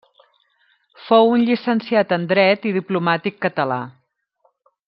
Fou un llicenciat en Dret i diplomàtic català.